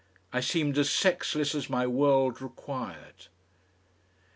I seemed as sexless as my world required.